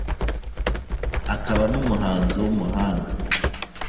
akaba n’umuhanzi w’umuhanga